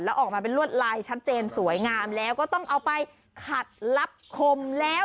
แล้วออกมาเป็นลวดลายชัดเจนสวยงามแล้วก็ต้องเอาไปขัดลับคมแล้ว